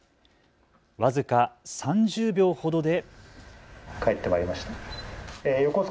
僅か３０秒ほどで。